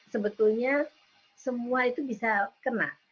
sebetulnya semua itu bisa kena